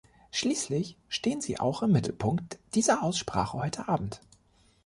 Schließlich stehen sie auch im Mittelpunkt dieser Aussprache heute Abend.